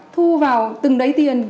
thu vào từng đáy tiền